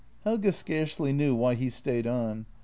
Helge scarcely knew why he stayed on.